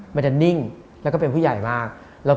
มันจะนิ่งและก็เป็นภูยายมาก